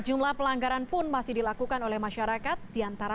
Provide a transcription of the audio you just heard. jalan asia afrika